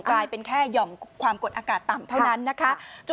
กลายเป็นแค่หย่อมความกดอากาศต่ำเท่านั้นนะคะ